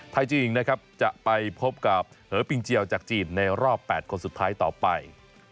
จีนนะครับจะไปพบกับเหอปิงเจียวจากจีนในรอบ๘คนสุดท้ายต่อไป